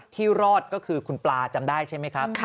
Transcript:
รอดก็คือคุณปลาจำได้ใช่ไหมครับ